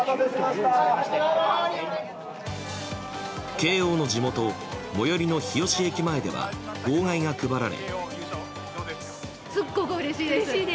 慶應の地元、最寄りの日吉駅前では号外が配られ。